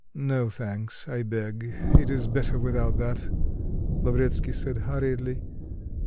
"No thanks, I beg it is better without that," Lavretsky said hurriedly.